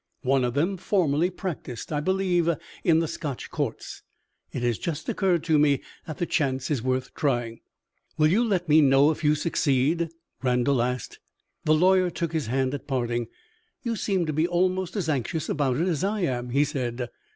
One of them formerly practiced, I believe, in the Scotch courts. It has just occurred to me that the chance is worth trying." "Will you let me know if you succeed?" Randal asked. The lawyer took his hand at parting. "You seem to be almost as anxious about it as I am," he said.